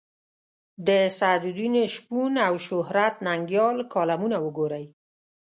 د سعدالدین شپون او شهرت ننګیال کالمونه وګورئ.